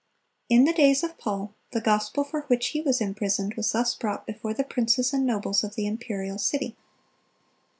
(304) In the days of Paul, the gospel for which he was imprisoned was thus brought before the princes and nobles of the imperial city.